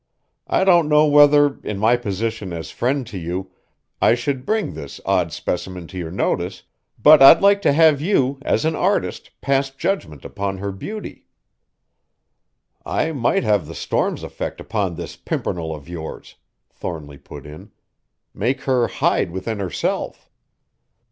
I don't know whether, in my position as friend to you, I should bring this odd specimen to your notice, but I'd like to have you, as an artist, pass judgment upon her beauty." "I might have the storm's effect upon this pimpernel of yours," Thornly put in, "make her hide within herself."